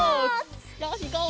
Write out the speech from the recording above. よしいこう！